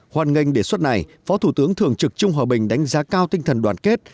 hoàn ngành đề xuất này phó thủ tướng thường trực trung hòa bình đánh giá cao tinh thần đoàn kết